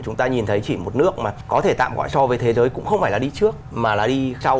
chúng ta nhìn thấy chỉ một nước mà có thể tạm gọi so với thế giới cũng không phải là đi trước mà là đi sau